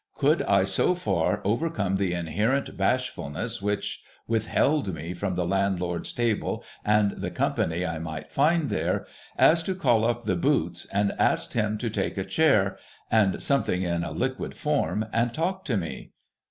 Could I so far overcome the inherent bashfulness which withheld me from the landlord's table and the company I might find there, as to call up the Boots, and ask him to take a chair, ^— and something in a liquid form, — and talk to me